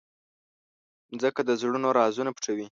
مځکه د زړونو رازونه پټوي.